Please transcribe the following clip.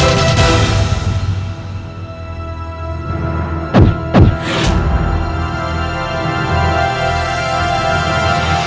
alhamdulillah ya biar angin